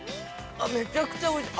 ◆めちゃくちゃおいしい。